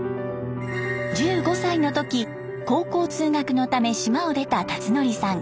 １５歳の時高校通学のため島を出た辰徳さん。